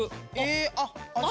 あっある。